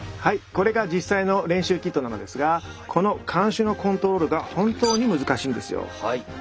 これが実際の練習キットなのですがこの鉗子のコントロールが本当に難しいんですよ。